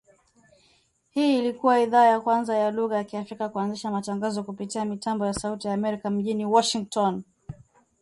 Hii ilikua idhaa ya kwanza ya lugha ya Kiafrika kuanzisha matangazo kupitia mitambo ya Sauti ya Amerika mjini Washington.